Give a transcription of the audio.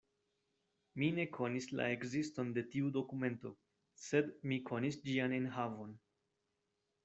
Mi ne konis la ekziston de tiu dokumento, sed mi konis ĝian enhavon.